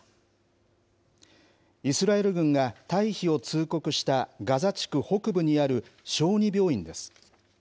イスラエル軍が退避を通告したガザ地区北部にある小児病院です。